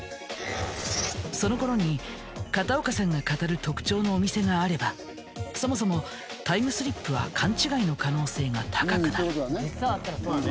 そのころに片岡さんが語る特徴のお店があればそもそもタイムスリップは勘違いの可能性が高くなる。